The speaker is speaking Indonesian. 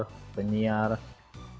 ketemu orang indonesia yang punya usaha di bali